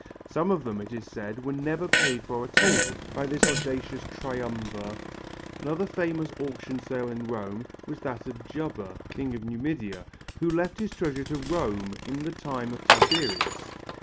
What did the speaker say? Some of them, it is said, were never paid for at all by this audacious triumvir. Another famous auction sale in Rome was that of Juba, king of Numidia, who left his treasure to Rome in the time of Tiberius.